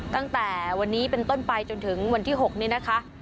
ตั้งแต่วันนี้เป็นต้นไปจนถึงวันที่๖นี้นะคะ